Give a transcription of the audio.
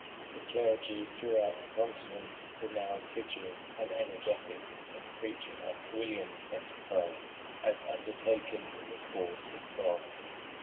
The clergy throughout the continent were now assiduous and energetic in preaching up William's enterprise as undertaken in the cause of God.